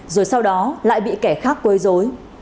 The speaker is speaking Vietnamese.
rồi sau đó lại bị kẻ khác quấy rối